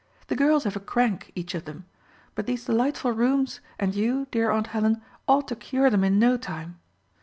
The girls have a crank, each of them; but these delightful rooms and you, dear Aunt Helen, ought to cure them in no time.